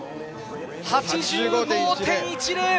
８５．１０。